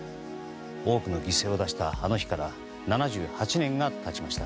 多くの犠牲を出したあの日から７８年が経ちました。